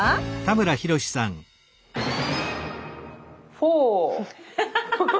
フォー。